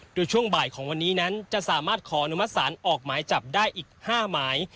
โดยช่วงบ่ายของวันนี้นั้นจะสามารถขออนุมัติศาลออกหมายจับได้อีก๕หมาย